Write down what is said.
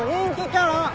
キャラ？